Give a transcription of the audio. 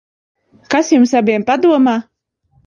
Kas jums abiem padomā?